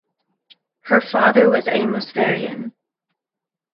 Her father was Amos Varian.